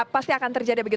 pasti akan terjadi begitu